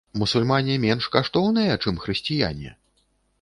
Мусульмане менш каштоўныя, чым хрысціяне?